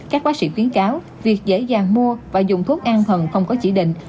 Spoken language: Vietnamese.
các bác sĩ khuyến cáo việc dễ dàng mua và dùng thuốc an thần không có chỉ định